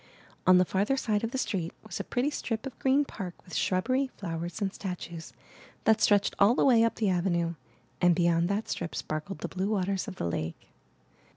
On the farther side of the street was a pretty strip of green park with shrubbery, flowers, and statues, that stretched all the way up the avenue, and beyond that strip sparkled the blue waters of the lake.